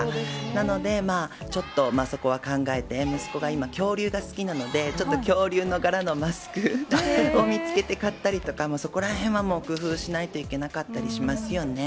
なので、ちょっとそこは考えて、息子が今、恐竜が好きなので、ちょっと恐竜の柄のマスクを見つけて買ったりとか、そこらへんは、もう工夫しないといけなかったりしますよね。